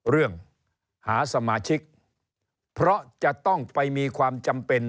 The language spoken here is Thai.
เรื่องหาสมาชิกเพราะจะต้องไปมีความจำเป็น